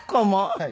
はい。